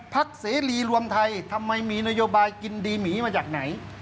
เสรีรวมไทยทำไมมีนโยบายกินดีหมีมาจากไหน